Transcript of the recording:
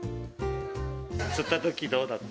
釣ったときどうだった？